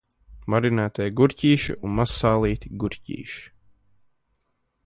Marinēti gurķīši un mazsālīti gurķīši.